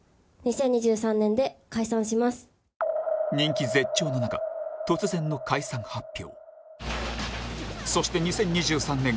人気絶頂の中突然の解散発表